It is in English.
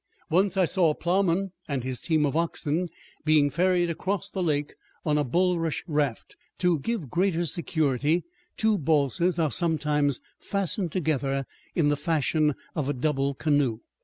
Once I saw a ploughman and his team of oxen being ferried across the lake on a bulrush raft. To give greater security two balsas are sometimes fastened together in the fashion of a double canoe.